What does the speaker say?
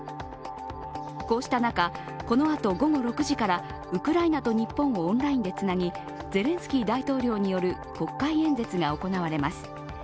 こうした中、この後、午後６時からウクライナと日本をオンラインでつなぎゼレンスキー大統領による国会演説が行われます。